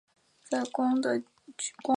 卡斯蒂隆。